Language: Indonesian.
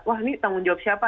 wah ini tanggung jawab siapa